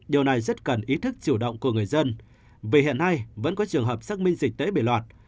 điều này rất cần ý thức chủ động của người dân vì hiện nay vẫn có trường hợp xác minh dịch tễ bể loạt